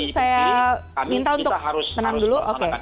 saya minta untuk tenang dulu